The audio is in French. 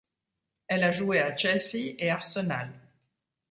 Elle a joué à Chelsea et Arsenal.